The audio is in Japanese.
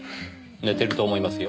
寝てると思いますよ。